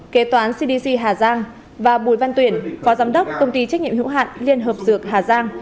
kế toán cdc hà giang và bùi văn tuyển phó giám đốc công ty trách nhiệm hữu hạn liên hợp dược hà giang